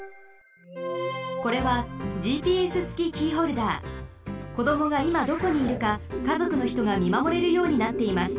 これはこどもがいまどこにいるかかぞくのひとがみまもれるようになっています。